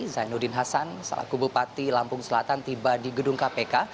zainuddin hasan selaku bupati lampung selatan tiba di gedung kpk